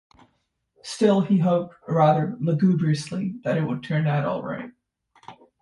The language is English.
Still, he hoped rather lugubriously that it would turn out all right.